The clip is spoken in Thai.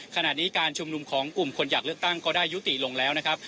ขณะนี้การชุมนุมของกลุ่มคนอยากเลือกตั้งก็ได้ยุติลงแล้วนะครับ